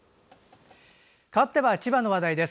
かわっては千葉の話題です。